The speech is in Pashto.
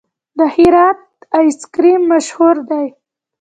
د هرات آیس کریم مشهور دی؟